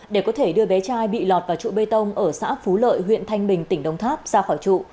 để có thể đưa bé trai bị lọt vào trụ bê tông ở xã phú lợi huyện thanh bình tỉnh đồng tháp ra khỏi trụ